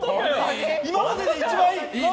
今までで一番いい！